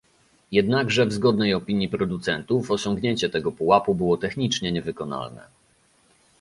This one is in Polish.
Jednakże w zgodnej opinii producentów osiągnięcie tego pułapu było technicznie niewykonalne